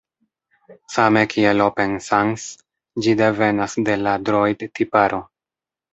Same kiel Open Sans, ĝi devenas de la Droid-tiparo.